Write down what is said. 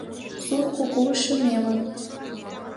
Сур куку шӱмемым